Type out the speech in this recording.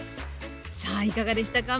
さあいかがでしたか？